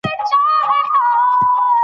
پښتو یوه سیاله او پیاوړي ژبه ده.